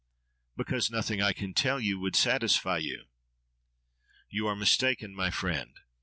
—Because nothing I can tell you would satisfy you. —You are mistaken, my friend!